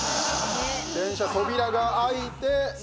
電車、扉が開いて。